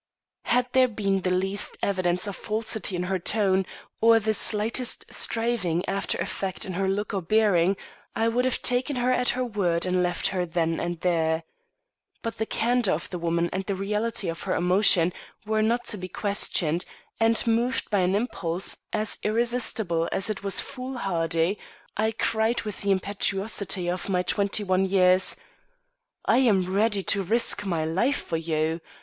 Had there been the least evidence of falsity in her tone or the slightest striving after effect in her look or bearing, I would have taken her at her word and left her then and there. But the candor of the woman and the reality of her emotion were not to be questioned, and moved by an impulse as irresistible as it was foolhardy, I cried with the impetuosity of my twenty one years: "I am ready to risk my life for you.